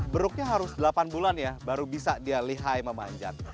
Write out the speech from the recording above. beruknya harus delapan bulan ya baru bisa dia lihai memanjat